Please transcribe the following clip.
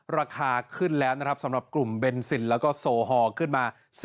ราคาขึ้นแล้วนะครับสำหรับกลุ่มเบนซินแล้วก็โซฮอลขึ้นมา